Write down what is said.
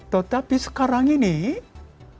tetapi sekarang ini ya saya tidak bisa